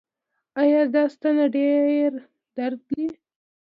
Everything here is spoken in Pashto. ایا دا ستنه ډیر درد لري؟